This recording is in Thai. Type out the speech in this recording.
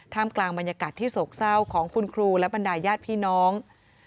กลางบรรยากาศที่โศกเศร้าของคุณครูและบรรดายญาติพี่น้อง